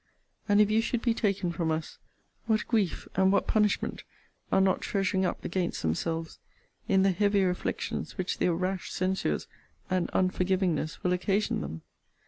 And if you should be taken from us, what grief and what punishment are not treasuring up against themselves in the heavy reflections which their rash censures and unforgivingness will occasion them!